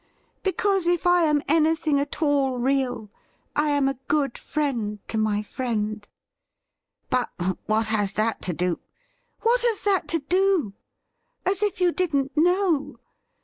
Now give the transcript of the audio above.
Because, if I am anything at all real, I am a good friend to my friend.' ' But what has that to do '' What has that to do ? As if you didn't know